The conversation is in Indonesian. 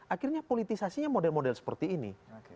akhirnya politisasinya model model seperti ini